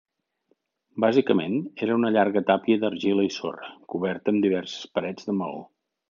Bàsicament, era una llarga tàpia d'argila i sorra, coberta amb diverses parets de maó.